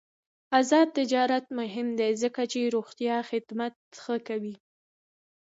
آزاد تجارت مهم دی ځکه چې روغتیا خدمات ښه کوي.